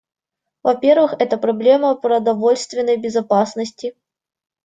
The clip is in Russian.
Во-первых, это проблема продовольственной безопасности.